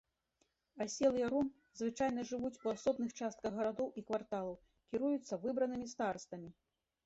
Аселыя ром звычайна жывуць у асобных частках гарадоў і кварталаў, кіруюцца выбранымі старастамі.